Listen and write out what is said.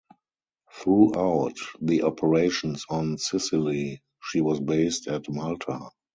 Throughout the operations on Sicily, she was based at Malta.